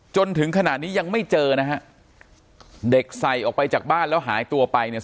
จนถึงขณะนี้ยังไม่เจอนะฮะเด็กใส่ออกไปจากบ้านแล้วหายตัวไปเนี่ย